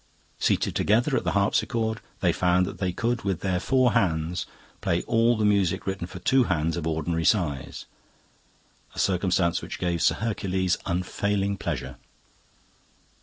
Seated together at the harpsichord, they found that they could with their four hands play all the music written for two hands of ordinary size, a circumstance which gave Sir Hercules unfailing pleasure.